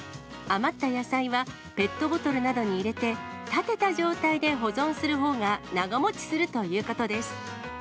余った野菜はペットボトルなどに入れて、立てた状態で保存するほうが長もちするということです。